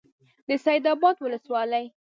د سید آباد ولسوالۍ